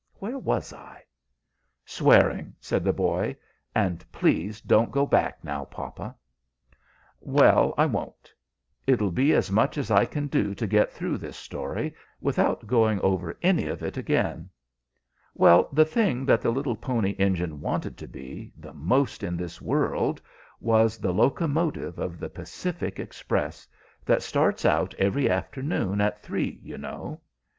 Where was I?" "Swearing," said the boy. "And please don't go back, now, papa." "Well, I won't. It'll be as much as I can do to get through this story, without going over any of it again. Well, the thing that the little Pony Engine wanted to be, the most in this world, was the locomotive of the Pacific Express, that starts out every afternoon at three, you know.